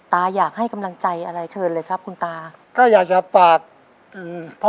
อยากให้กำลังใจอะไรเชิญเลยครับคุณตาก็อยากจะฝากอืม